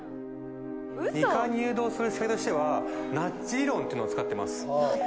２階に誘導する仕掛けとしてはナッジ理論っていうのを使ってます